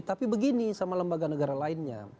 tapi begini sama lembaga negara lainnya